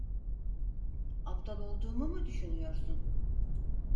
Aptal olduğumu mu düşünüyorsun?